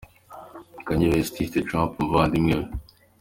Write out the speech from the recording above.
Kanye West yise Trump umuvandimwe we.